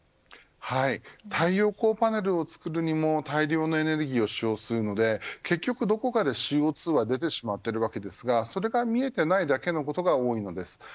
太陽光パネルを作るにも大量のエネルギーを使用するので結局どこかで、ＣＯ２は出てしまっているわけですがそれが見えていないだけのことが多いです。